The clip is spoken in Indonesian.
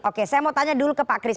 oke saya mau tanya dulu ke pak kris